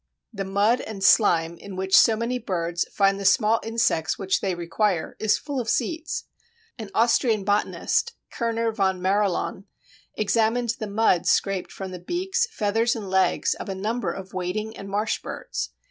The mud and slime in which so many birds find the small insects which they require is full of seeds. An Austrian botanist, Kerner von Marilaun, examined the mud scraped from the beaks, feathers, and legs of a number of wading and marsh birds.